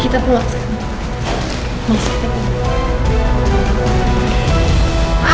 kami akan menemukan sesosok yang mencurigakan yang ada di depur kami